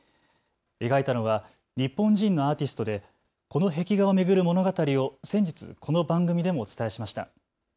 描いたのは日本人のアーティストでこの壁画を巡る物語を先日、この番組でもお伝えしました。